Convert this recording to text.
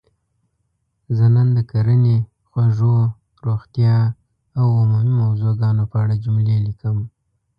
زه نن د کرنې ؛ خوړو؛ روغتیااو عمومي موضوع ګانو په اړه جملې لیکم.